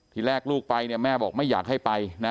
ที่แรกลูกไปแม่บอกไม่อยากให้ไป